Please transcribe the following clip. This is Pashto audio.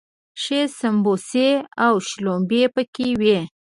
ښې سمبوسې او شلومبې پکې وي.